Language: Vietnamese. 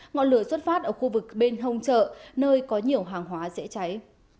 ngọn lửa xuất phát ở khu vực bên hông chợ nơi có nhiều hàng hóa dễ cháy